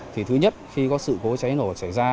thì thứ nhất khi có sự cố cháy nổ xảy ra